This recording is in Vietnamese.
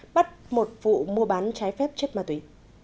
bắt một vụ mua bán trái phép chất ma túy